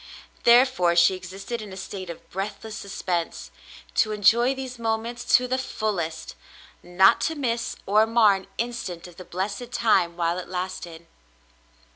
Therefore she existed in a state of breathless suspense, to enjoy these moments to the fullest, — not to miss or mar an instant of the blessed time while it lasted.